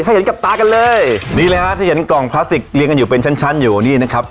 เห็นกับตากันเลยนี่เลยฮะที่เห็นกล่องพลาสติกเรียงกันอยู่เป็นชั้นชั้นอยู่นี่นะครับ